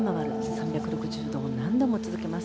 ３６０度を何度も続けます。